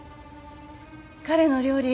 彼の料理